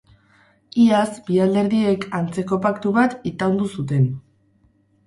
Iaz bi alderdiek antzeko paktu bat itaundu zuten.